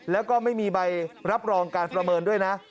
แล้วก็ไม่มีใบรับรองการประเมินด้วยนะ